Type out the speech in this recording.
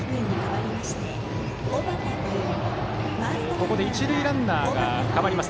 ここで一塁ランナーが代わります。